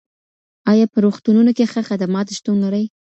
ايا په روغتونونو کي ښه خدمات شتون لري؟